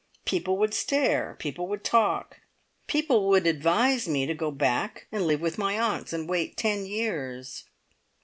People would stare, people would talk, people would advise me to go back and live with my aunts, and wait ten years.